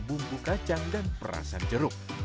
bumbu kacang dan perasan jeruk